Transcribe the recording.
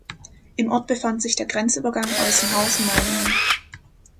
Im Ort befand sich der Grenzübergang Eußenhausen–Meiningen.